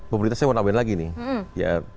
pemerintah saya mau nambahin lagi nih